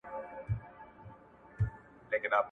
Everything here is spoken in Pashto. د ځمکي پر مخ فساد کول لویه ګناه ده.